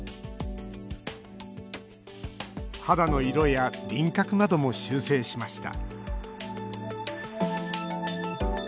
肌の色や輪郭なども修整しました